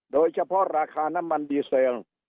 โดยเฉพาะราคาน้ำมันดีเซลล์